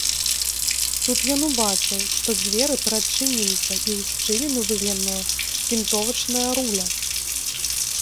Тут ён убачыў, што дзверы прыадчыніліся і ў шчыліну выглянула вінтовачная руля.